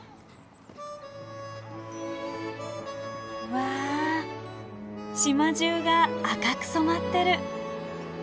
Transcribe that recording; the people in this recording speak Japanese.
わあ島じゅうが赤く染まってる。